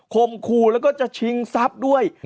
คมคู่แล้วก็จะชิงทรัพย์ด้วย